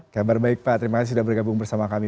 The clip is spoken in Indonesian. kabar baik pak terima kasih sudah bergabung bersama kami